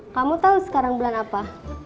kamu tahu sekarang bulan apa